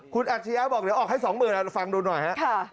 คุณอัชยะบอกเดี๋ยวออกให้๒หมื่นฟังดูหน่อย